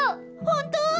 本当？